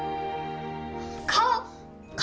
顔！